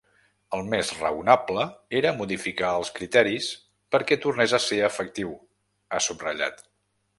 El més raonable era modificar els criteris perquè tornés a ser efectiu, ha subratllat.